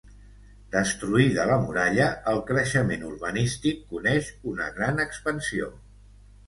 Destruïda la muralla, el creixement urbanístic coneix una gran expansió.